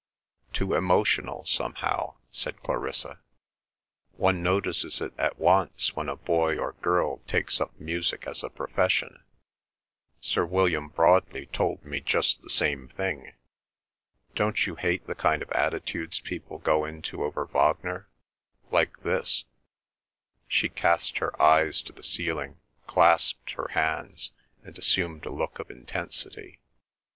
"Too emotional, somehow," said Clarissa. "One notices it at once when a boy or girl takes up music as a profession. Sir William Broadley told me just the same thing. Don't you hate the kind of attitudes people go into over Wagner—like this—" She cast her eyes to the ceiling, clasped her hands, and assumed a look of intensity.